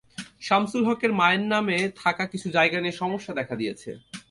শামসুল হকের মায়ের নামে থাকা কিছু জায়গা নিয়ে সমস্যা দেখা দিয়েছে।